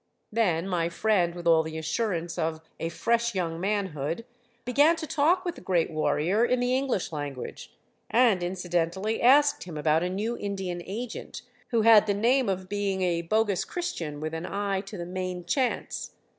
Then my friend, with all the assurance of a fresh young manhood, began to talk with the great warrior in the English language, and incidentally asked him about a new Indian agent, who had the name of being a bogus Christian with an eye to the main chance.